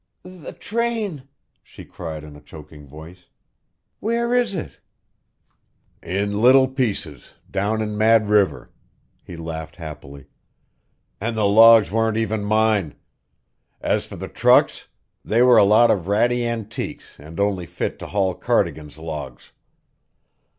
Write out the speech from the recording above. "The train," she cried in a choking voice. "Where is it?" "In little pieces down in Mad River." He laughed happily. "And the logs weren't even mine! As for the trucks, they were a lot of ratty antiques and only fit to haul Cardigan's logs.